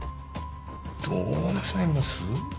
どうなさいます？